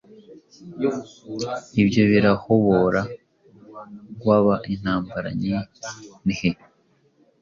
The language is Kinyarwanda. Ibyo birahobora guaba intambara nyinhi,